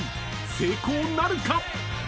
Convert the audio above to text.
成功なるか？］